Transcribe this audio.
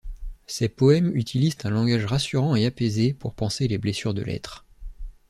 Ses poèmes utilisent un langage rassurant et apaisé pour panser les blessures de l'être.